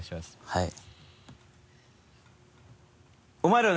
はい。